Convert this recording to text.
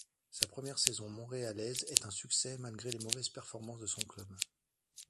Sa première saison montréalaise est un succès malgré les mauvaises performances de son club.